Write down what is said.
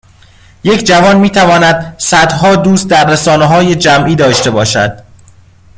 یک جوان میتواند صدها دوست در رسانههای جمعی داشته باشد